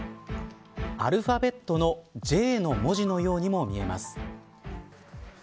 アルファベットのＪの文字のようにも見えます。